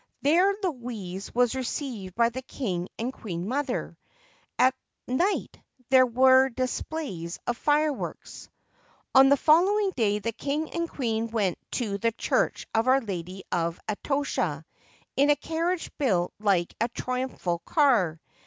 There Louise was received by the king and queen mother. At night there were displays of fireworks. On the following day, the king and queen went to the Church of Our Lady of Atocha, in a carriage built like a triumphal car.